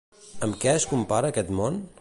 Amb què es compara aquest món?